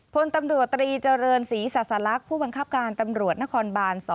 พลตำรวจตรีเจริญศรีศาสลักษณ์ผู้บังคับการตำรวจนครบาน๒